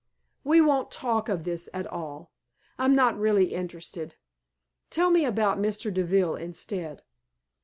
We won't talk of this at all. I'm not really interested. Tell me about Mr. Deville instead."